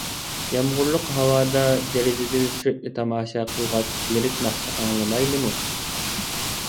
يامغۇرلۇق ھاۋادا دېرىزىدىن سىرتنى تاماشا قىلغاچ لىرىك ناخشا ئاڭلىمايلىمۇ؟